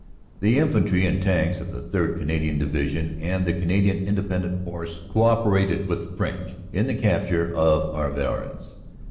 The Infantry and Tanks of the 3rd. Canadian Division and the Canadian Independent Force co operated with the French in the capture of Arvillers.